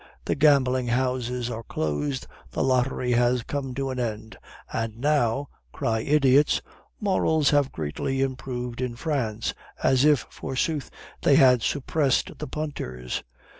The gambling houses are closed, the lottery has come to an end; 'and now,' cry idiots, 'morals have greatly improved in France,' as if, forsooth, they had suppressed the punters.